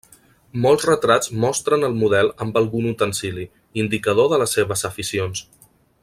Molts retrats mostren al model amb algun utensili, indicador de les seves aficions.